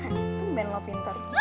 tuh ben lo pintar